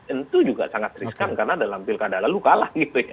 itu juga sangat riskan karena dalam pilkada lalu kalah